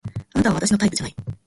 あなたは私のタイプじゃない